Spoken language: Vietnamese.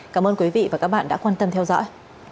cảm ơn quý vị và các bạn đã quan tâm theo dõi